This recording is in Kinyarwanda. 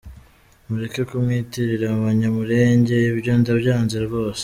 Mureke kumwitirira abanyamulenge , ibyo ndabyanze rwose.